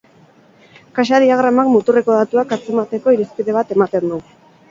Kaxa-diagramak muturreko datuak antzemateko irizpide bat ematen du.